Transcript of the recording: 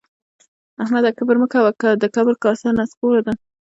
احمده کبر مه کوه؛ د کبر کاسه نسکوره ده